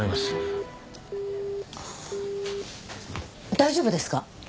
大丈夫ですか？